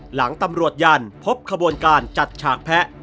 หลังตำรวจยันพบขบวนการจัดฉากแพะ